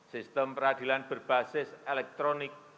sistem peradilan berbasis elektronik